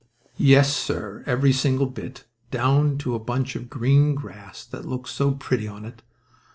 Yes, sir, every single bit, down to a bunch of green grass that looked so pretty on it.